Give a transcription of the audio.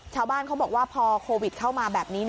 ชาวบ้านเขาบอกว่าพอโควิดเข้ามาแบบนี้